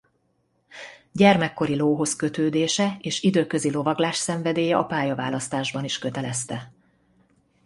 Gyermekkori lóhoz-kötődése és időközi lovaglás-szenvedélye a pályaválasztásban is kötelezte.